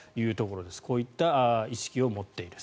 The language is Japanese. こういった意識を持っている。